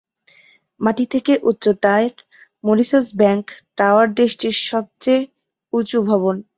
মাটি থেকে উচ্চতার মরিশাস ব্যাংক টাওয়ার দেশটির সর্বোচ্চ উচু ভবন।